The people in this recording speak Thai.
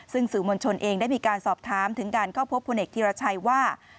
ซึ่งสื่อมวลชนเองได้มีการสอบถามถึงการเข้าพบพลเอกธีรชัยว่า